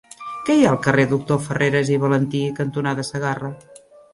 Què hi ha al carrer Doctor Farreras i Valentí cantonada Segarra?